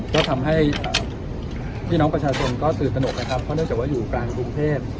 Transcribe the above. ก็ทำให้พี่น้องประชาชนก็ตื่นตนกนะครับเพราะเนื่องจากว่าอยู่กลางกรุงเทพ